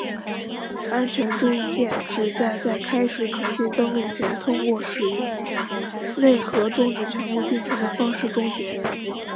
安全注意键旨在在开始可信登录前通过使内核终止全部进程的方式终结。